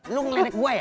lu ngelinik gue ya